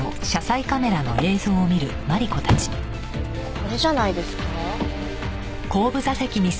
これじゃないですか？